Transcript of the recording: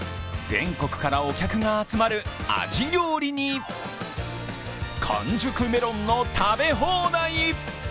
全国からお客が集まるアジ料理に完熟メロンの食べ放題。